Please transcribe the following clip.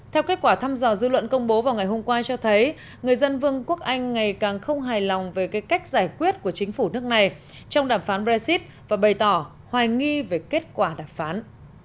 theo kết quả thăm dò dư luận công bố vào ngày hôm qua cho thấy người dân vương quốc anh ngày càng không hài lòng về cách giải quyết của chính phủ nước này trong đàm phán brexit và bày tỏ hoài nghi về kết quả đàm phán